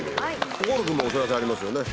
心君もお知らせありますよね。